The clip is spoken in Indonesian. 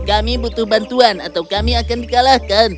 kami sudah berjalan ke tempat yang tidak terlalu jauh